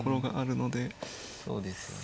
そうですよね。